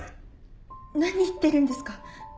何言ってるんですか。